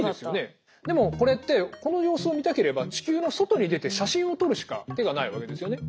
でもこれってこの様子を見たければ地球の外に出て写真を撮るしか手がないわけですよね。